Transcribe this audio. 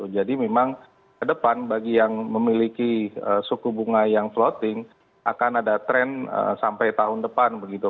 jadi memang ke depan bagi yang memiliki suku bunga yang floating akan ada tren sampai tahun depan begitu